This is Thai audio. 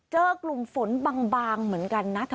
เจอกลุ่มฝนบางเหมือนกันนะ